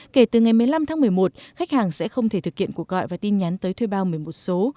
kể từ ngày một mươi năm tháng một mươi một khách hàng sẽ không thể thực hiện cuộc gọi và tin nhắn tới thuê bao một mươi một số